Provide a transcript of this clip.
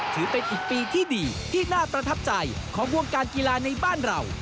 ถือเป็นอีกปีที่ดีที่น่าประทับใจของวงการกีฬาในบ้านเรา